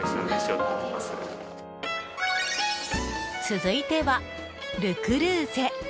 続いては、ル・クルーゼ。